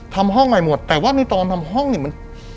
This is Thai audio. ทำห้องใหม่หมดแต่ว่าในตอนทำห้องเนี่ยมัน